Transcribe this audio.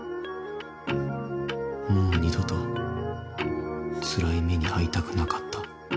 もう二度とつらい目に遭いたくなかった。